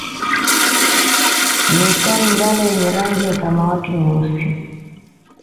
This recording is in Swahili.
Mistari mlalo yenye rangi ya samawati nyeusi